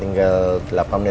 tidak ada apa apa